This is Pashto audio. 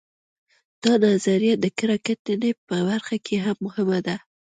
دا نظریه د کره کتنې په برخه کې هم مهمه ده